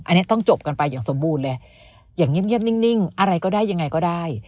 อันนี้ต้องจบกันไปอย่างสมบูรณ์เลยอย่างเงียบนิ่งอะไรก็ได้ยังไงก็ได้